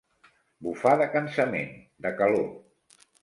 Bufar de cansament, de calor.